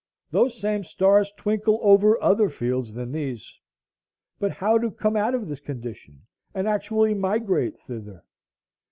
Those same stars twinkle over other fields than these.—But how to come out of this condition and actually migrate thither?